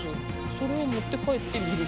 それを持って帰って見る。